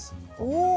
お。